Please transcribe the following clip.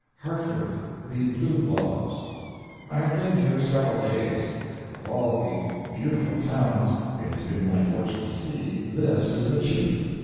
Hartford—The "Blue Laws." I have been here several days. Of all the beautiful towns it has been my fortune to see this is the chief.